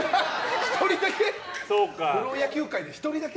１人だけ？